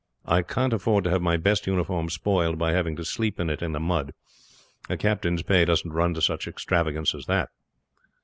I can't afford to have my best uniform spoiled by having to sleep in it in the mud. A captain's pay doesn't run to such extravagance as that."